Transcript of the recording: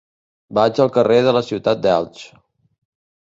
Vaig al carrer de la Ciutat d'Elx.